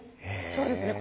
そうですね